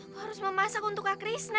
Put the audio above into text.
aku harus memasak untuk kak krishna